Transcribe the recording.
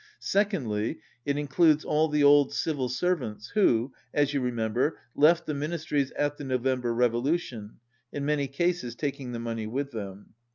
Secondly, it includes all the old civil servants who, as you remember, left the ministries at the November Revolution, in many cases tak ing the money with them.